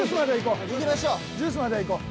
ジュースまでは行こう。